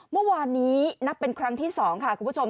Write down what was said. เมื่อวานนี้นับเป็นครั้งที่๒ค่ะคุณผู้ชม